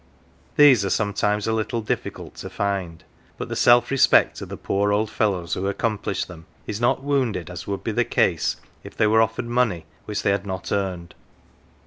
These are sometimes a little difficult to find ; but the self respect of the poor old fellows who accomplish them is not wounded as would be the case if they were offered money which they had not earned.